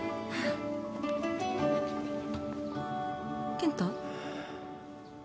健太？